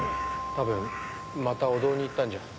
多分また御堂に行ったんじゃ。